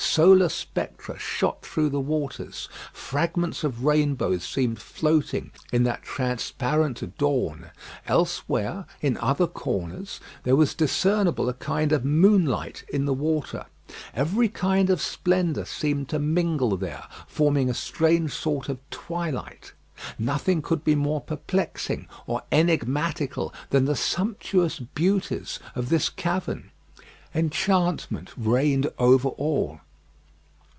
Solar spectra shot through the waters. Fragments of rainbows seemed floating in that transparent dawn. Elsewhere in other corners there was discernible a kind of moonlight in the water. Every kind of splendour seemed to mingle there, forming a strange sort of twilight. Nothing could be more perplexing or enigmatical than the sumptuous beauties of this cavern. Enchantment reigned over all.